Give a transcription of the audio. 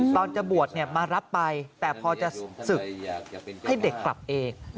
ตอนจะบวชมารับไปแต่พอจะศึกให้เด็กกลับเอง